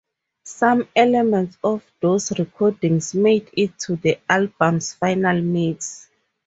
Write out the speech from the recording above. Some elements of those recordings made it to the album's final mix.